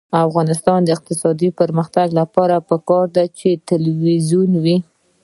د افغانستان د اقتصادي پرمختګ لپاره پکار ده چې تلویزیون وي.